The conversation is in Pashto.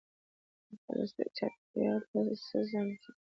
پلاستیک چاپیریال ته څه زیان رسوي؟